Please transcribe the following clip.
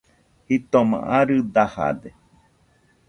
Jitoma arɨ dajade